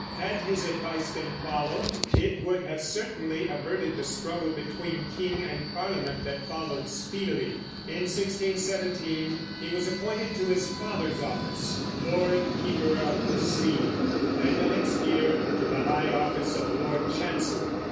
Had his advice been followed, it would have certainly averted the struggle between king and parliament that followed speedily. In 1617 he was appointed to his father's office, Lord Keeper of the Seal, and the next year to the high office of Lord Chancellor.